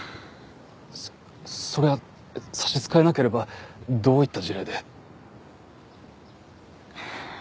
そそれは差し支えなければどういった事例で？